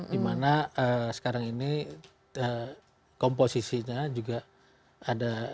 di mana sekarang ini komposisinya juga ada